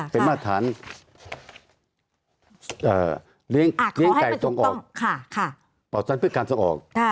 เป็นมาตรฐานเลี้ยงไก่ตรงออกผัวชันฟิภัณฑ์ตรงออก